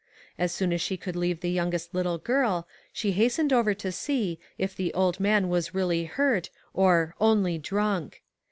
As soon as she could leave the youngest little girl, she hastened over to see if the old man was really hurt or " only drunk."